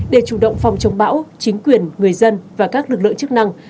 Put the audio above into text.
để chủ động phòng chống bão chính quyền người dân và các lực lượng chức năng